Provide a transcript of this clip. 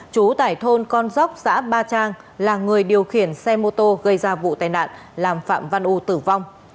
chú tại thôn con dốc xã ba trang là người điều khiển xe mô tô gây ra vụ tai nạn làm phạm văn u tử vong